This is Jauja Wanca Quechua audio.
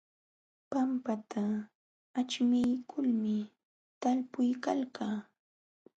Pampata aćhmiykulmi talpuykalkaa.